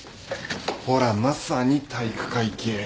ほらまさに体育会系。